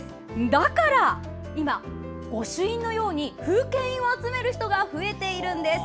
だから今、御朱印のように風景印を集める人が増えているんです。